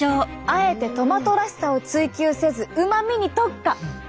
あえてトマトらしさを追求せずうまみに特化！